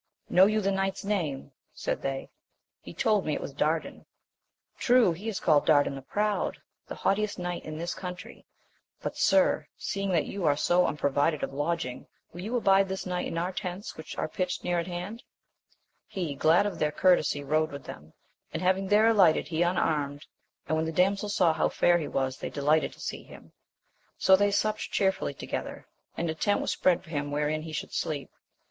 Know you the knight's name ? said they. — He told me it was Dardan. — True ! he is called Dardan the Proud, the haughtiest knight in this country : but, sir, seeing that you are so unprovided of lodging, will you abide this night in our tents which are pitched near at hand 1 He, glad of their courtesy, rode with them; and having there alighted he un armed, and when the damsels saw how fair he was they delighted to see him. So they supped cheerfully together, and a tent was spread for him wherein he should sleep.